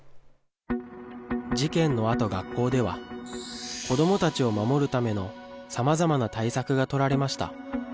事件のあと、学校では子どもたちを守るためのさまざまな対策が取られました。